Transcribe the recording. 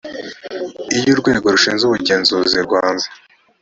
iyo urwego rushinzwe ubugenzuzi rwanze